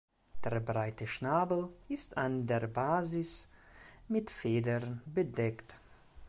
Der breite Schnabel ist an der Basis mit Federn bedeckt.